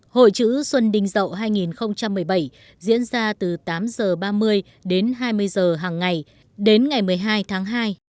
hội chữ xuân đình dậu hai nghìn một mươi bảy diễn ra từ tám h ba mươi đến hai mươi h hàng ngày đến ngày một mươi hai tháng hai